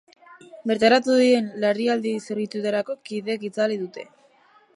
Bertaratu diren larrialdi zerbitzuetako kideek itzali dute.